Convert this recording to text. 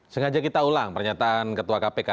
sengaja kita ulang pernyataan ketua kpk